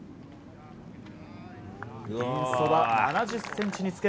ピンそば７０ｃｍにつけ